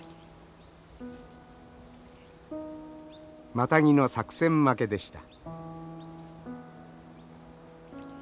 マタギの作戦負けでした。